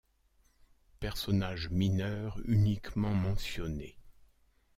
Personnage mineur uniquement mentionné.